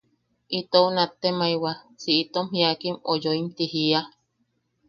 Itou nattemaiwa, si itom jiakim o yoim ti jiia.